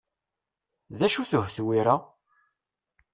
D acu-t uhetwir-a?